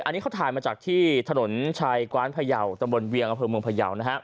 อันนี้เขาถ่ายมาจากที่ถนนชายกว้านพยาวตำบลเวียงอำเภอเมืองพยาว